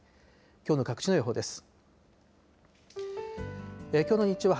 きょうの各地の予報です。